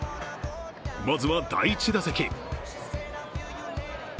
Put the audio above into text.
まずは第１打席。